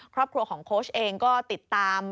ครอบครัวของโค้ชเองก็ติดตาม